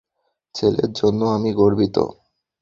ছেলের জন্য আমি গর্বিত।